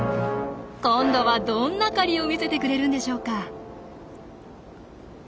今度はどんな狩りを見せてくれるんでしょうか。